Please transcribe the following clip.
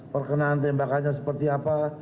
perkenaan tembakannya seperti apa